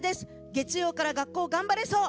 月曜から、学校頑張れそう。